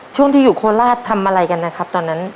ช่วงที่อยู่โคราชทำอะไรกันนะครับตอนนั้น